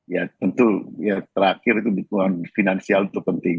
ya tentu ya terakhir itu dukungan finansial itu penting